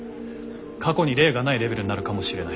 過去に例がないレベルになるかもしれない。